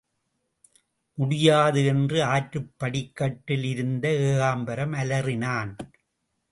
முடியாது என்று ஆற்றுப் படிக்கட்டில் இருந்த ஏகாம்பரம் அலறினான்.